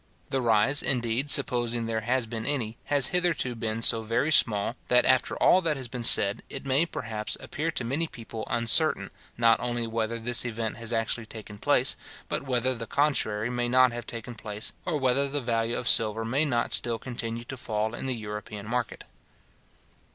The rise, indeed, supposing there has been any, has hitherto been so very small, that after all that has been said, it may, perhaps, appear to many people uncertain, not only whether this event has actually taken place, but whether the contrary may not have taken place, or whether the value of silver may not still continue to fall in the European market.